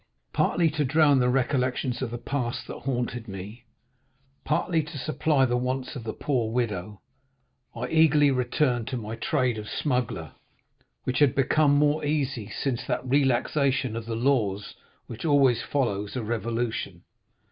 "Partly to drown the recollections of the past that haunted me, partly to supply the wants of the poor widow, I eagerly returned to my trade of smuggler, which had become more easy since that relaxation of the laws which always follows a revolution.